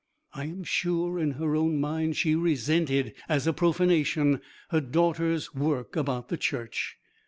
I am sure in her own mind she resented as a profanation her daughter's work about the church.